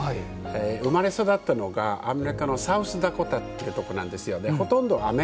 生まれ育ったのがアメリカのサウスダコタというところなんですよね。